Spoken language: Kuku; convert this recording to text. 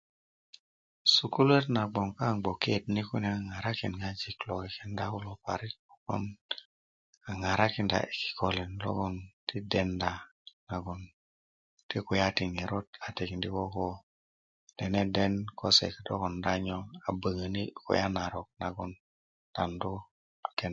sukuluöt na nagboŋ kaŋ gbokiot ni kulo a ŋarakinda ŋojik kulo parik kobgon a ŋaŋarakinda yi kikölin logon ti deden a ko i kulya ti ŋerot a tindi koko deneden kose kodo konda nyo a böŋöni kulya narok nagon 'dandu toden